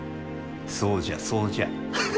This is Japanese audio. そうじゃそうじゃ。